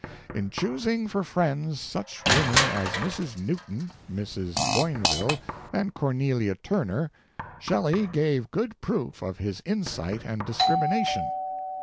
"In choosing for friends such women as Mrs. Newton, Mrs. Boinville, and Cornelia Turner, Shelley gave good proof of his insight and discrimination."